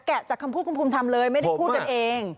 จากคำพูดคุณภูมิทำเลยไม่ได้พูดกันเอง